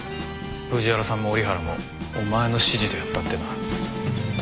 藤原さんも折原もお前の指示でやったってな。